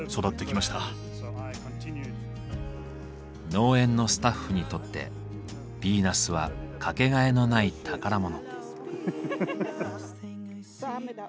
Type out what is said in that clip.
農園のスタッフにとってヴィーナスは掛けがえのない宝物。